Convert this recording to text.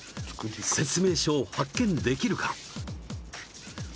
説明書を発見できるか？